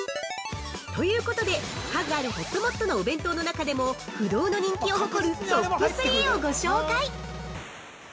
◆ということで、数あるほっともっとのお弁当の中でも不動の人気を誇るトップ３をご紹介！